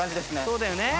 そうだよね。